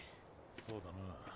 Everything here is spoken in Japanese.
そうだな。